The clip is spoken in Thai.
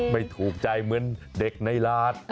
ไม่ถูกใจเหมือนเด็กในราช